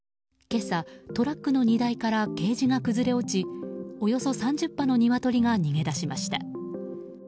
今朝、トラックの荷台からケージが崩れ落ちおよそ３０羽のニワトリが逃げ出しました。